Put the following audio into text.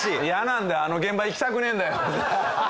「あの現場行きたくねえんだよ」。